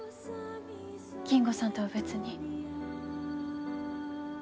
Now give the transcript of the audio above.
金吾さんとは別に。